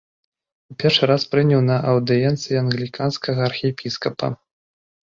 У першы раз прыняў на аўдыенцыі англіканскага архіепіскапа.